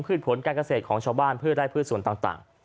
ผลการเกษตรของชาวบ้านเพื่อได้พืชส่วนต่าง